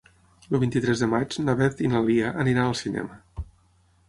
El vint-i-tres de maig na Beth i na Lia aniran al cinema.